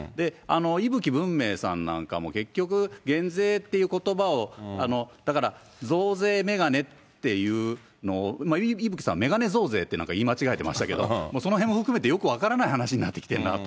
伊吹文明さんなんかも、結局、減税っていうことばを、だから増税眼鏡っていうのを、伊吹さん、眼鏡増税って言い間違えてましたけど、そのへんも含めてよく分からない話になってきてるなと。